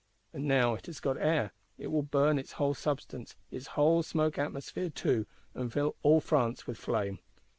And now it has got air; it will burn its whole substance, its whole smoke atmosphere too, and fill all France with flame.